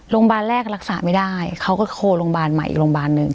โรงพยาบาลแรกรักษาไม่ได้เขาก็โทรโรงพยาบาลใหม่อีกโรงพยาบาลหนึ่ง